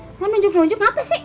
lu kan nunjuk nunjuk ngapain sih